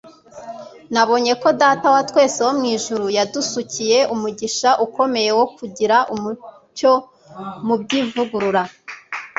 nabonye ko data wa twese wo mu ijuru yadusukiye umugisha ukomeye wo kugira umucyo mu by'ivugurura